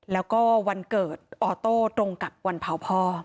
แล้วก็วันเกิดออโต้ตรงกับวันเผาพ่อ